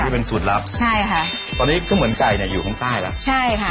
อ๋อนี่เป็นสูตรลับใช่ค่ะตอนนี้ข้าวหมุนไก่เนี่ยอยู่ข้างใต้ล่ะใช่ค่ะ